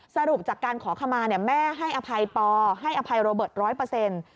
สรุปจากการขอขมาแม่ให้อภัยปให้อภัยโรเบิร์ต๑๐๐